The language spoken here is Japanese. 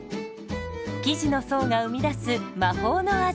生地の層が生み出す魔法の味。